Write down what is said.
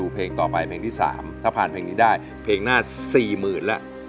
เพลงหน้า๔หมื่น